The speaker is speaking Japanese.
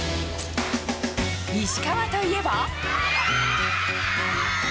石川といえば。